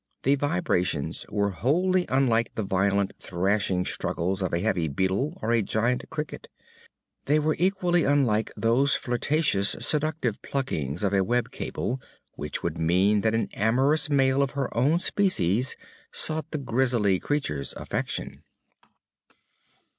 The vibrations were wholly unlike the violent, thrashing struggles of a heavy beetle or a giant cricket. They were equally unlike those flirtatious, seductive pluckings of a web cable which would mean that an amorous male of her own species sought the grisly creature's affection.